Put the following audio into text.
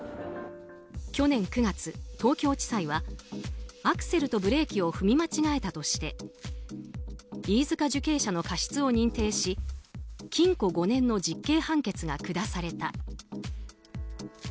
去年９月には東京地裁がアクセルとブレーキを踏み間違えたとして飯塚受刑者の過失を認定し禁錮５年の実刑判決が下された。